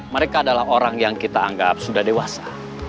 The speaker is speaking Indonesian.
mereka adalah orang yang kita anggap sudah dewasa